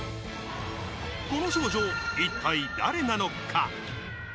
この少女、一体誰なのか？